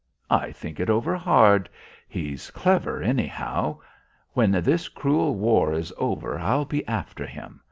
I think it over hard.... He's clever anyhow.... When this cruel war is over, I'll be after him....